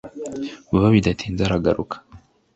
vuba bidatinze aragaruka